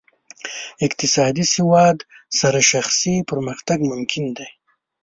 اقتصادي سواد سره شخصي پرمختګ ممکن دی.